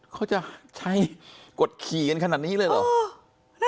เขาจะใช้กฎขี่กันขนาดนี้เลยเหรอ